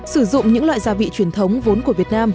sử dụng những loại gia vị truyền thống vốn của việt nam